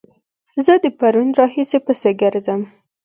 زه د پرون راهيسې پسې ګرځم